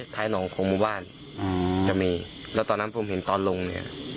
หนองของหมู่บ้านอืมจะมีแล้วตอนนั้นผมเห็นตอนลงเนี่ย